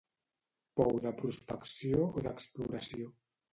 Pou de prospecció o d'exploració.